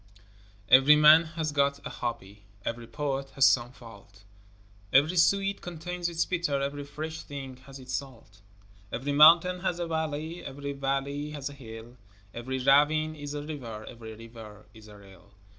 Every man has got a hobby, Every poet has some fault, Every sweet contains its bitter, Every fresh thing has its salt. Every mountain has a valley, Every valley has a hill, Every ravine is a river, Every river is a rill.